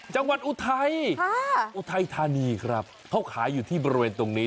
อุทัยอุทัยธานีครับเขาขายอยู่ที่บริเวณตรงนี้